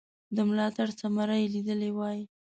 د ملاتړ ثمره یې لیدلې وای.